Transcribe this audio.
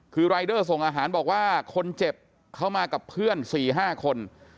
คือรายเดอร์ส่งอาหารบอกว่าคนเจ็บเขามากับเพื่อน๔๕คน